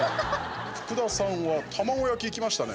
福田さんは卵焼き、いきましたね。